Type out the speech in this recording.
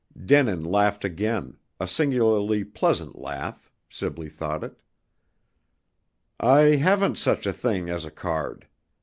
Denin laughed again, a singularly pleasant laugh, Sibley thought it. "I haven't such a thing as a card!